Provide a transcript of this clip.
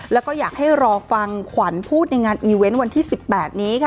แล้วก็อยากให้รอฟังขวัญพูดในงานอีเวนต์วันที่๑๘นี้ค่ะ